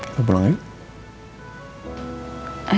udah pulang ya